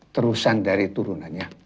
terusan dari turunannya